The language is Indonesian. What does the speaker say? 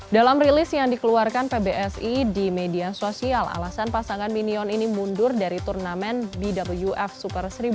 dalam rilis yang dikeluarkan pbsi di media sosial alasan pasangan minion ini mundur dari turnamen bwf super seribu